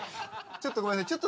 ちょっとごめんね。